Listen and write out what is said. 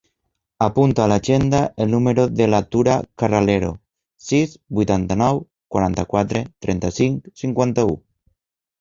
Apunta a l'agenda el número de la Tura Carralero: sis, vuitanta-nou, quaranta-quatre, trenta-cinc, cinquanta-u.